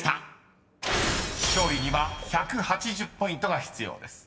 ［勝利には１８０ポイントが必要です］